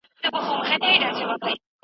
څوک په دې پوهیږي چې څنګه نښه ویشتل کیږي؟